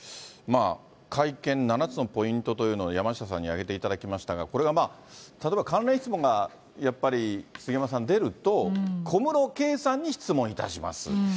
会見、７つのポイントというのを、山下さんに挙げていただきましたが、これが例えば関連質問が、やっぱり杉山さん、出ると、小室圭さんに質問いたします。